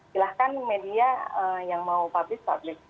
silahkan media yang mau publish publish